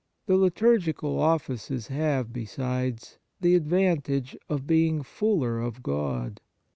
The liturgical offices have, besides, the advantage of being fuller of God.